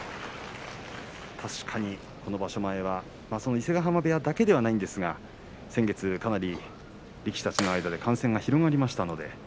確かに場所前は伊勢ヶ濱部屋だけではありませんが先月かなり、力士たちの間で感染が広がりました。